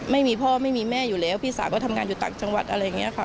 ไม่มีพ่อไม่มีแม่อยู่แล้วพี่สาวก็ทำงานอยู่ต่างจังหวัดอะไรอย่างนี้ค่ะ